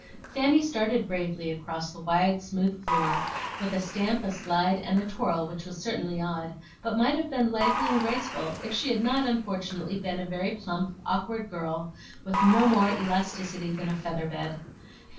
Fanny started bravely across the wide smooth floor, with a stamp, a slide, and a twirl which was certainly odd, but might have been lively and graceful if she had not unfortunately been a very plump, awkward girl, with no more elasticity than a feather bed.